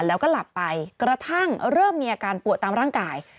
แล้วก็หลับไปกระทั่งเริ่มมีอาการปวดตามร่างกาย